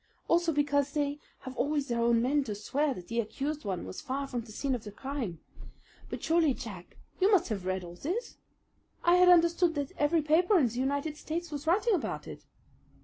Also because they have always their own men to swear that the accused one was far from the scene of the crime. But surely, Jack, you must have read all this. I had understood that every paper in the United States was writing about it."